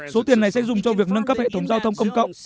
số tiền này sẽ dùng cho việc nâng cấp hệ thống giao thông công cộng